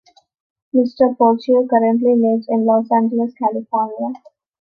Mr. Pacheco currently lives in Los Angeles, California.